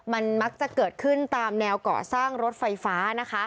มันมักจะเกิดขึ้นตามแนวเกาะสร้างรถไฟฟ้านะคะ